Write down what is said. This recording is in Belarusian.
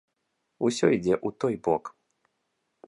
Усё ідзе ў той бок.